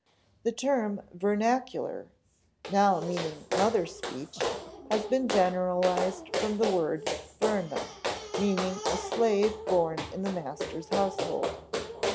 The term vernacular, now meaning mother speech, has been generalized from the word verna, meaning a slave born in the master's household.